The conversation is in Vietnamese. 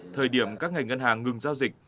thời điểm các ngành ngân hàng ngừng giao dịch